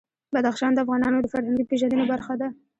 بدخشان د افغانانو د فرهنګي پیژندنې برخه ده.